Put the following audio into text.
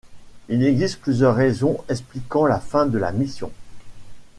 Il existe plusieurs raisons expliquant la fin de la mission.